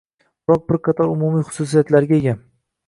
biroq bir qator umumiy xususiyatlarga ega.